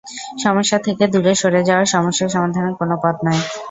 সমস্যা থেকে দূরে সরে যাওয়া সমস্যা সমাধানের কোনো পথ নয়।